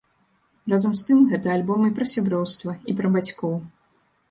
Разам з тым гэта альбом і пра сяброўства, і пра бацькоў.